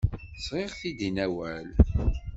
Sɣiɣ-t-id i Newwal.